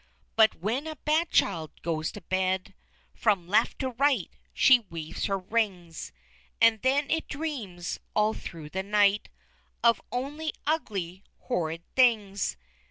But when a bad child goes to bed, From left to right she weaves her rings, And then it dreams all through the night Of only ugly horrid things!